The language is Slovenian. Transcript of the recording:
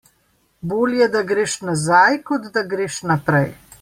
Bolje, da greš nazaj, kot da greš naprej.